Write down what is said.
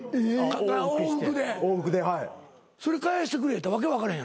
それ返してくれって訳分からへん